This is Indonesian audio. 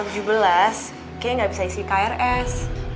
kayaknya gak bisa isi krs